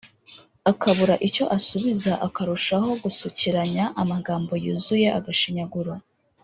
akabura icyo asubiza akarushaho gusukiranya amagambo yuzuye agashinyaguro